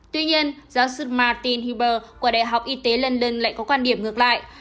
tuy nhiên giáo sư martin huber của đại học y tế london lại có quan điểm ngược lại